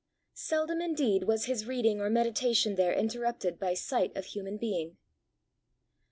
Seldom indeed was his reading or meditation there interrupted by sight of human being.